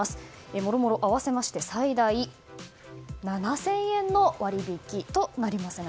もろもろ合わせまして最大７０００円の割引となります。